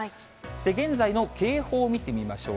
現在の警報を見てみましょう。